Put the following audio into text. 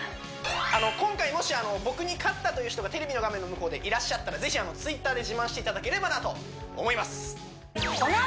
今回もし僕に勝ったという人がテレビの画面の向こうでいらっしゃったらぜひあのＴｗｉｔｔｅｒで自慢していただければなと思います